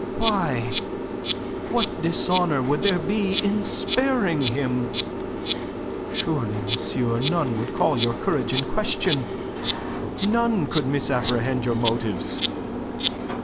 "Why, what dishonour would there be in sparing him? Surely, monsieur, none would call your courage in question? None could misapprehend your motives."